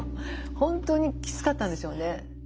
本当にきつかったんでしょうね。